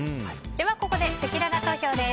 ここでせきらら投票です。